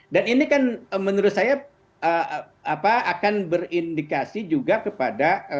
dan ini kan menurut saya akan berindikasi juga kepada